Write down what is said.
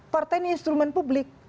partai ini instrumen publik